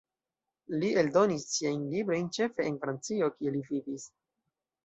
Li eldonis siajn librojn ĉefe en Francio, kie li vivis.